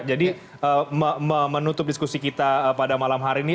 jadi menutup diskusi kita pada malam hari ini